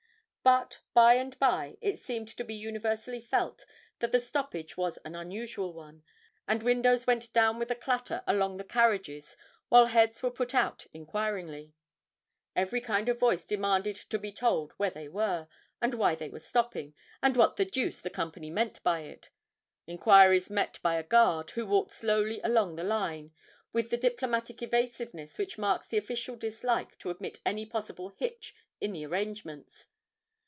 But by and by it seemed to be universally felt that the stoppage was an unusual one, and windows went down with a clatter along the carriages while heads were put out inquiringly. Every kind of voice demanded to be told where they were, and why they were stopping, and what the deuce the Company meant by it inquiries met by a guard, who walked slowly along the line, with the diplomatic evasiveness which marks the official dislike to admit any possible hitch in the arrangements.